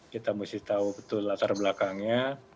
kita mesti tahu betul latar belakangnya